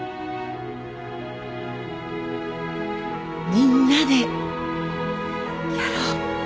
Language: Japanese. みんなでやろう。